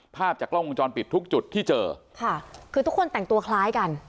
ภาพจากกล้องวงจรปิดทุกจุดที่เจอค่ะคือทุกคนแต่งตัวคล้ายกัน